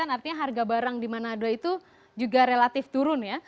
artinya harga barang di manado itu juga relatif turun ya